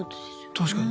確かに。